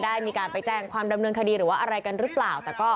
ได้มีการไปแจ้งความดำเนินคดีหรือว่าอะไรกันหรือเปล่าแต่ก็